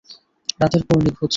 রাতের পর নিখোঁজ।